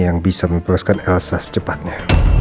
yang bisa memproseskan elsa secepatnya